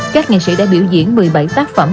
các nghệ sĩ đã biểu diễn một mươi bảy tác phẩm